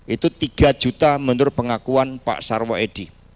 itu tiga juta menurut pengakuan pak sarwoedi